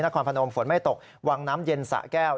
คอพนมฝนไม่ตกวังน้ำเย็นสะแก้ว